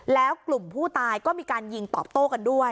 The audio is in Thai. แล้วกลุ่มผู้ตายก็มีการยิงตอบโต้กันด้วย